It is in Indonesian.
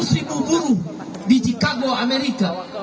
seratus ribu buruh di cikabur amerika